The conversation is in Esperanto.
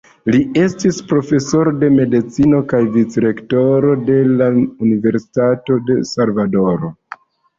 Li estis profesoro de Medicino kaj Vicrektoro de la Universitato de Salvadoro.